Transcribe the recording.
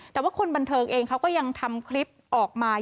แต่ว่าคนบันเทิงเองเขาก็ยังทำคลิปออกมา